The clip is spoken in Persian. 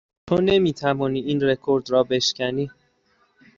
تو نمی توانی این رکورد را بشکنی.